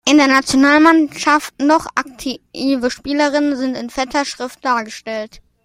In der Nationalmannschaft noch aktive Spielerinnen sind in fetter Schrift dargestellt.